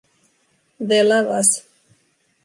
They love us.